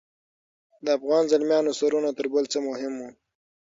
د افغاني زلمیانو سرونه تر بل څه مهم وو.